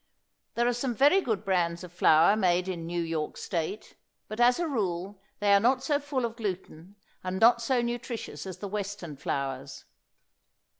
There are some very good brands of flour made in New York State, but as a rule they are not so full of gluten and not so nutritious as the Western flours.